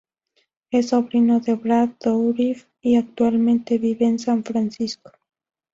Es sobrino de Brad Dourif y actualmente vive en San Francisco.